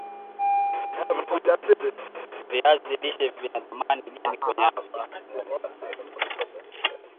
viazi lishe vinathamani gani kwenye afya